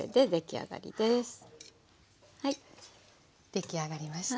出来上がりました。